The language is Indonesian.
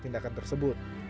tidak akan tersebut